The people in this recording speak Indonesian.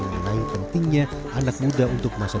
mengenai pentingnya anak muda untuk masuk ke kota ini